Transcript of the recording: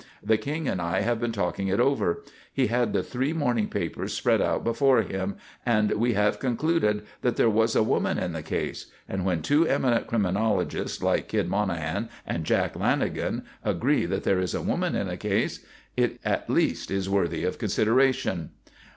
The King and I have been talking it over," he had the three morning papers spread out before him "and we have concluded that there was a woman in the case. And when two eminent criminologists, like Kid Monahan and Jack Lanagan, agree that there is a woman in a case, it at least is worthy of consideration."